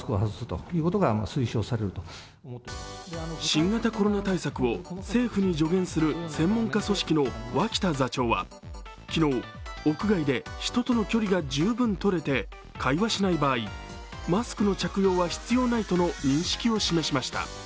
新型コロナ対策を政府に助言する専門家組織の脇田座長は、昨日、屋外で人との距離が十分取れて会話しない場合、マスクの着用は必要ないとの認識を示しました。